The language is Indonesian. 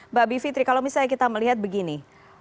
mbak bivitri kalau misalnya kita melihat begini